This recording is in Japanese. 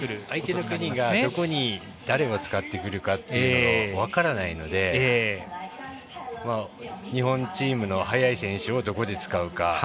相手の国がどこに誰を使ってくるかというのが分からないので日本チームの速い選手をどこで使うか。